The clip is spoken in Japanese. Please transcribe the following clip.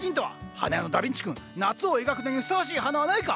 花屋のダビンチ君夏を描くのにふさわしい花はないか？